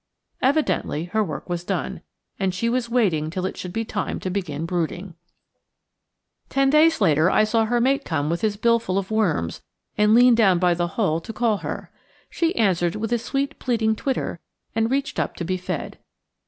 Evidently her work was done, and she was waiting till it should be time to begin brooding. Ten days later I saw her mate come with his bill full of worms and lean down by the hole to call her. She answered with a sweet pleading twitter, and reached up to be fed.